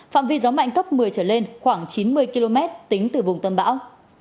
phạm vi gió mạnh cấp một mươi trở lên khoảng chín mươi km tính từ vùng tâm bão